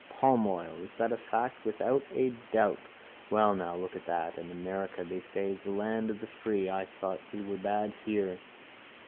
Palm oil. Is that a fact? Without a doubt. Well now, look at that. And America they say is the land of the free. I thought we were bad here.